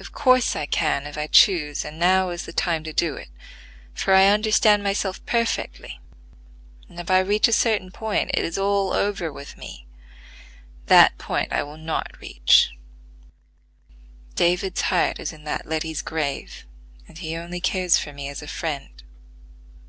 Of course I can if I choose, and now is the time to do it; for I understand myself perfectly, and if I reach a certain point it is all over with me. That point I will not reach: David's heart is in that Letty's grave, and he only cares for me as a friend.